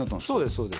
そうです